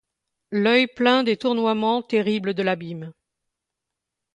L’oeil plein des tournoiements terribles de l’abîme.